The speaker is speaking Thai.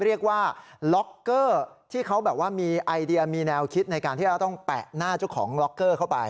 เรียกว่าล็อกเกอร์ที่เขาแบบว่ามีไอเดียมีแนวคิดในการที่เราต้องแปะหน้าเจ้าของล็อกเกอร์เข้าไป